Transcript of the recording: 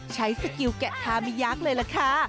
สกิลแกะทาไม่ยักษ์เลยล่ะค่ะ